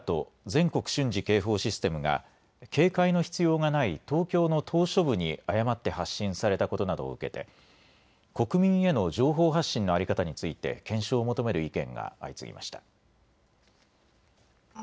・全国瞬時警報システムが警戒の必要がない東京の島しょ部に誤って発信されたことなどを受けて国民への情報発信の在り方について検証を求める意見が相次ぎました。